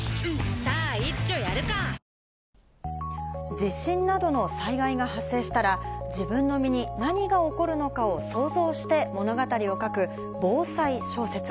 地震などの災害が発生したら、自分の身に何が起こるのかを想像して物語を書く、防災小説。